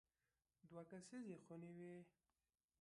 دوه کسیزې خونې وې.